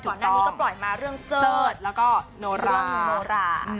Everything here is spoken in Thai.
ก่อนหน้านี้ก็ปล่อยมาเรื่องเสิร์ธแล้วก็โนราโนรา